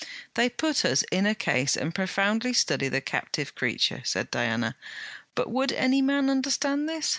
'They put us in a case and profoundly study the captive creature,' said Diana: 'but would any man understand this...?'